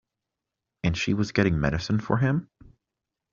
And she was getting medicine for him?